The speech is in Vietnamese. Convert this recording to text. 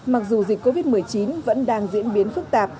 mặc dù dịch covid một mươi chín vẫn đang diễn biến phức tạp